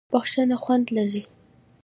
بښنه خوند لري.